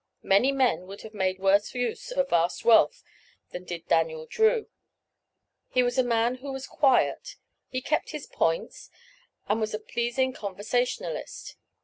Many men would have made a worse use of vast wealth than did Daniel Drew. He was a man who was quiet; he kept his "points," and was a pleasing conversationalist.